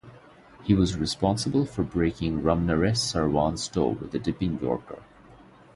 He was responsible for breaking Ramnaresh Sarwan's toe with a dipping yorker.